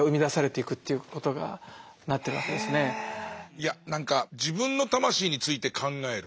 いやなんか自分の魂について考える。